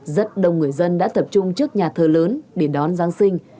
rất đông người dân đã tập trung trước nhà thờ lớn để đón giáng sinh